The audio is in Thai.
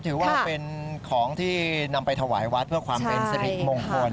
ถือว่าเป็นของที่นำไปถวายวัดเพื่อความเป็นสิริมงคล